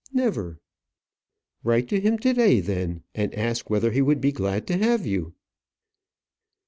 "Never." "Write to him to day then, and ask whether he would be glad to have you."